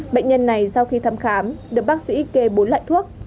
bệnh nhân này sau khi thăm khám được bác sĩ kê bốn loại thuốc